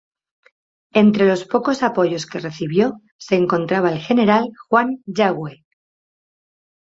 Entre los pocos apoyos que recibió se encontraba el general Juan Yagüe.